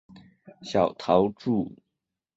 小桃纻